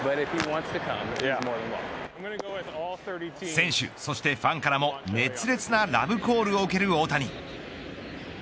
選手、そしてファンからも熱烈なラブコールを受ける大谷。